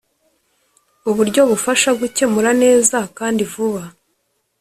uburyo bufasha gukemura neza kandi vuba